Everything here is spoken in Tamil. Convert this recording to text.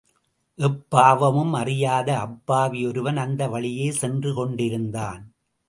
எப்பாவமும் அறியாத அப்பாவி ஒருவன் அந்த வழியே சென்று கொண்டிருந்தான்.